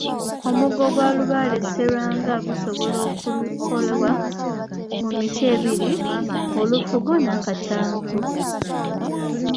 Omuggo gwa Lubaale Sserwanga gusobola okukolwa mu miti ebiri, Olufugo n'akattango.